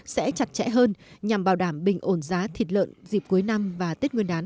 sẽ chặt chẽ hơn nhằm bảo đảm bình ổn giá thịt lợn dịp cuối năm và tết nguyên đán hai nghìn hai mươi